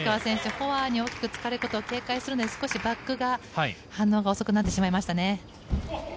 フォアに大きくつかれることを警戒するので少しバックが反応が遅くなってしまいましたね。